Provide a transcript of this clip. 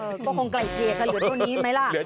ก็คงไกลเทกอะเหลือตัวนี้ไหมล่ะ